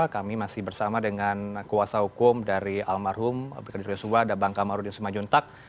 kami masih bersama dengan kuasa hukum dari almarhum brigadir yosua dan bang kamar rudin suma juntak